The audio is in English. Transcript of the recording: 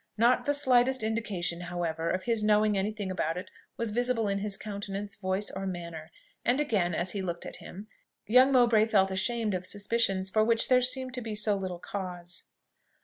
Not the slightest indication, however, of his knowing any thing about it was visible in his countenance, voice, or manner; and, again as he looked at him, young Mowbray felt ashamed of suspicions for which there seemed to be so little cause.